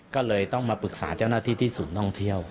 ก็เลยต้องมาปรึกษาเจ้าหน้าที่ที่ศูนย์ท่องเที่ยว